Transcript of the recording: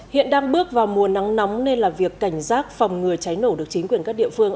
hiện đang bước vào mùa nắng nóng nên là việc cảnh giác phòng ngừa cháy nổ được chính quyền các địa phương